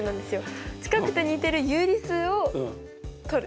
近くて似てる有理数をとる。